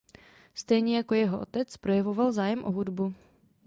Stejně jako jeho otec projevoval zájem o hudbu.